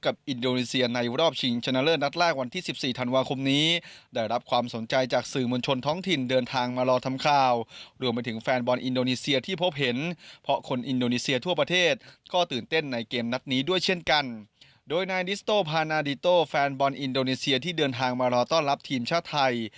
อันนาดิโตแฟนบอลอินโดนีเซียที่เดินทางมารอต้อนรับทีมชาติไทย